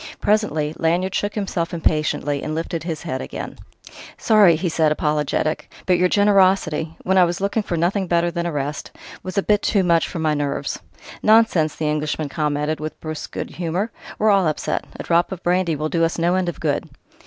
Presently Lanyard shook himself impatiently and lifted his head again. "Sorry," he said, apologetic "but your generosity when I looked for nothing better than arrest was a bit too much for my nerves!" "Nonsense!" the Englishman commented with brusque good humour. "We're all upset. A drop of brandy will do us no end of good."